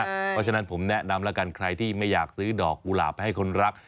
เพราะฉะนั้นผมแนะนำแล้วกันใครที่ไม่อยากซื้อดอกกุหลาบไปให้คนรัก